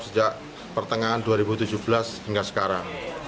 sejak pertengahan dua ribu tujuh belas hingga sekarang